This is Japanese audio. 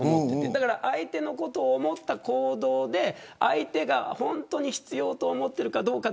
だから相手のことを思った行動で相手が本当に必要と思っているかどうか。